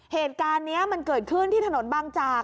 เหตุการณ์นี้มันเกิดขึ้นที่ถนนบางจาก